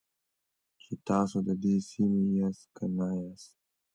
چې تاسو د دې سیمې یاست که نه یاست.